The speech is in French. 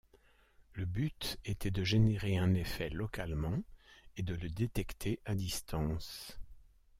Le but était de générer un effet localement et de le détecter à distance.